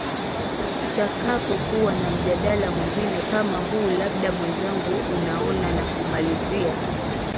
tutakapo kuwa na mjadala mwingine kama huu labda mwenzangu unaona nakumalizia